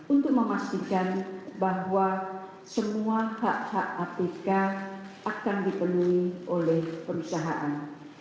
untuk memastikan bahwa semua hak hak apk akan dipenuhi oleh perusahaan